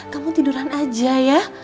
kamu tiduran aja ya